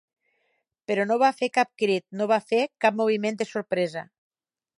Però no va fer cap crit; no va fer cap moviment de sorpresa.